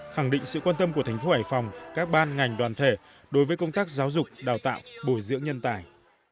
khẳng định sự quan tâm của thành phố hải phòng các ban ngành đoàn thể đối với công tác giáo dục đào tạo bồi dưỡng nhân tài